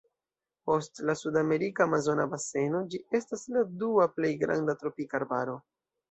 Post la sudamerika amazona baseno ĝi estas la dua plej granda tropika arbaro.